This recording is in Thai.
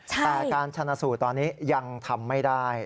แต่การชนะสูตรตอนนี้ยังทำไม่ได้